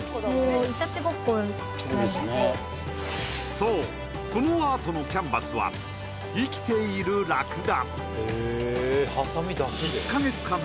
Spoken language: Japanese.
そうこのアートのキャンバスは生きているラクダ